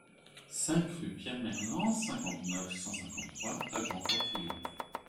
cinq rue Pierre Merlen, cinquante-neuf, cent cinquante-trois à Grand-Fort-Philippe